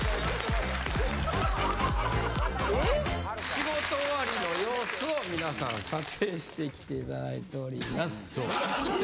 仕事終わりの様子を皆さん撮影して来て頂いております。